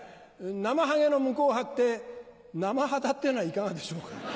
なまはげの向こう張って生肌っていうのはいかがでしょうか。